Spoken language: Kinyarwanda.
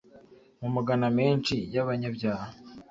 Mu magana menshi y'abanyabyaha,